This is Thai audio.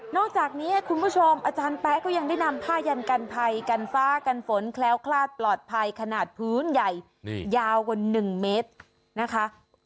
อกจากนี้คุณผู้ชมอาจารย์แป๊ะก็ยังได้นำผ้ายันกันภัยกันฟ้ากันฝนแคล้วคลาดปลอดภัยขนาดพื้นใหญ่ยาวกว่า๑เมตรนะคะ